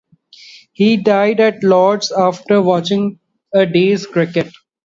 He died at Lord's after watching a day's cricket.